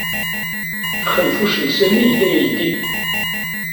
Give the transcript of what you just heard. Axenfuc n Sami yella yeldi.